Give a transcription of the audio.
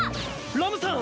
ラムさん！